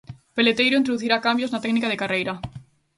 Peleteiro introducirá cambios na técnica de carreira.